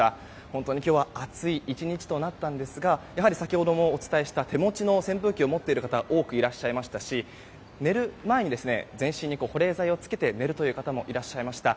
本当に今日暑い１日となったんですが先ほどもお伝えした手持ちの扇風機を持っていらっしゃる方が多くいらっしゃいましたし寝る前に全身に保冷剤をつけて寝るという方もいらっしゃいました。